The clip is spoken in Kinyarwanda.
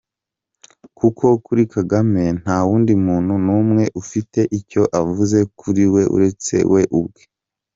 Kuko kuri kagame ntawundi muntu numwe ufite icyo avuze kuri we uretse we ubwe.